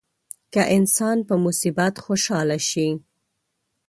که انسان په مصیبت خوشاله شي.